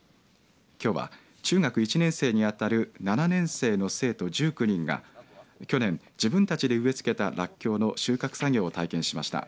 きょうは中学１年生に当たる７年生の生徒１９人が去年自分たちで植え付けたらっきょうの収穫作業を体験しました。